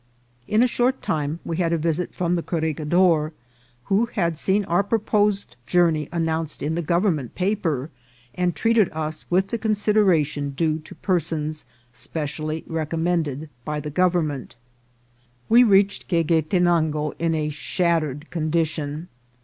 In a short time we had a visit from the corregidor, who had seen our proposed journey announced in the government paper, and treated us with the consideration due to per sons specially recommended by the government. We reached Gueguetenango in a shattered condition.